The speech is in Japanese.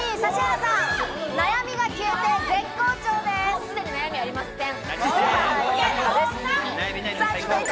もう既に悩みありません。